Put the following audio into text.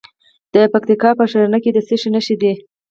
د پکتیکا په ښرنه کې د څه شي نښې دي؟